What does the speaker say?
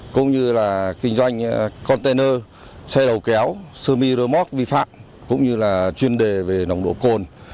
cũng như là kinh doanh container xe đầu kéo semi remote vi phạm cũng như là chuyên đề về nồng độ côn